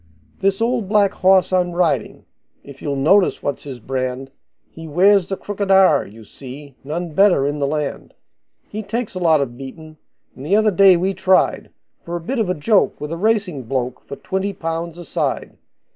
This old black horse I'm riding if you'll notice what's his brand, He wears the crooked R, you see none better in the land. He takes a lot of beatin', and the other day we tried, For a bit of a joke, with a racing bloke, for twenty pounds a side.